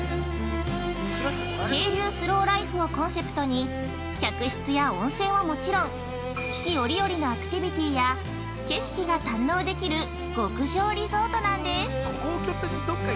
渓流スローライフをコンセプトに客室や温泉はもちろん四季折々のアクティビティや景色が堪能できる極上リゾートなんです。